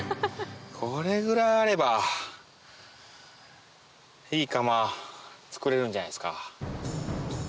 これぐらいあればいい窯作れるんじゃないですか？